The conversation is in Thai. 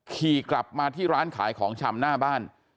ขี่กลับมาที่ร้านขายของชำหน้าบ้าน